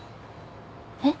えっ？